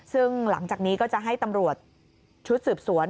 ซึ่งหลังจากนี้ก็จะให้ตำรวจชุดสืบสวน